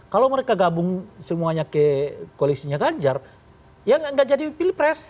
kalau mereka gabung semuanya ke koalisinya ganjar ya enggak jadi pilih pres